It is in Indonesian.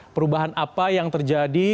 perubahan apa yang terjadi